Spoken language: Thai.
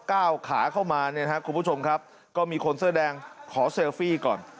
ก้าวขาเข้ามาเนี่ยนะครับคุณผู้ชมครับก็มีคนเสื้อแดงขอเซลฟี่ก่อน